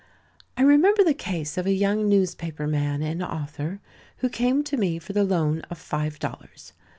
I remember the case of a young newspaper man and author, who came to me for the loan of five dollars.